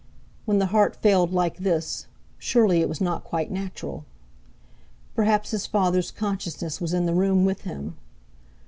When the heart failed like this—surely it was not quite natural! Perhaps his father's consciousness was in the room with him.